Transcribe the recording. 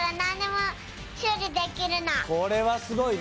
これはすごいね。